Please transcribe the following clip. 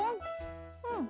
うん。